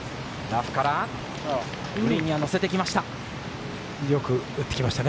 ラフからグリーンには乗せてきました。